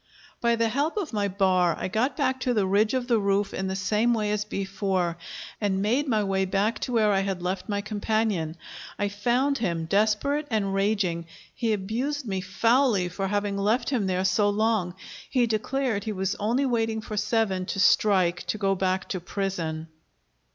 By the help of my bar I got back to the ridge of the roof in the same way as before, and made my way back to where I had left my companion. I found him desperate and raging; he abused me foully for having left him there so long. He declared he was only waiting for seven to strike to go back to prison.